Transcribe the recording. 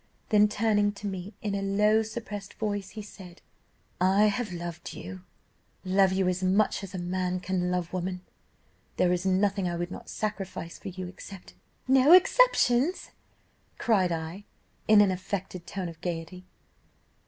Then turning to me, in a low suppressed voice, he said, "'I have loved you love you as much as man can love woman, there is nothing I would not sacrifice for you except ' "'No exceptions!' cried I, in an affected tone of gaiety.